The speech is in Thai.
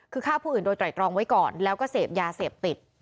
คือฆ่าผู้อื่นโดยไตรตรองไว้ก่อนแล้วก็เสพยาเสพติด